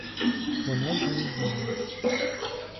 Вона вже не знала.